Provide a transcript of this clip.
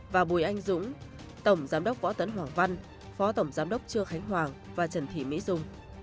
và bùi anh dũng tổng giám đốc võ tấn hoàng văn phó tổng giám đốc trương khánh hoàng và trần thị mỹ dung